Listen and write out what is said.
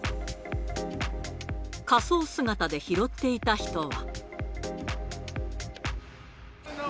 仮装姿で拾っていた人は。